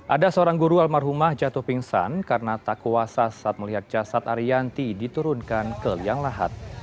ada seorang guru almarhumah jatuh pingsan karena tak kuasa saat melihat jasad ariyanti diturunkan ke liang lahat